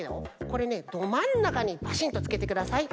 これねどまんなかにバシンッとつけてください。